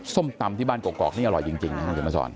ส้มตำที่บ้านกอกนี่อร่อยจริงนะคุณเกมสอน